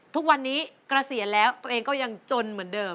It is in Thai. ทุกวันนี้เกษียณแล้วตัวเองก็ยังจนเหมือนเดิม